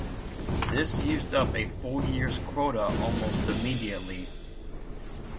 This used up a full year's quota almost immediately.